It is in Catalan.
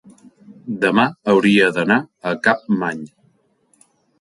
demà hauria d'anar a Capmany.